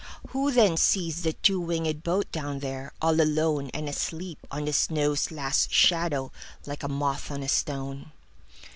Who then sees the two wingedBoat down there, all aloneAnd asleep on the snow's last shadow, Like a moth on a stone?